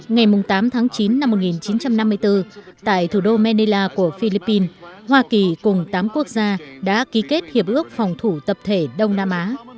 ngày tám tháng chín năm một nghìn chín trăm năm mươi bốn tại thủ đô manila của philippines hoa kỳ cùng tám quốc gia đã ký kết hiệp ước phòng thủ tập thể đông nam á